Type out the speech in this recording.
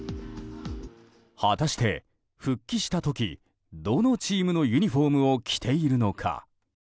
果たして、復帰した時どのチームのユニホームを着ているのか。